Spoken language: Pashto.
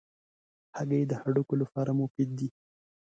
هګۍ د هډوکو لپاره مفید دي.